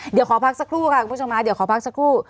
เดี๋ยวขอพักสักครู่ค่ะคุณผู้ชมค่ะเดี๋ยวขอพักสักครู่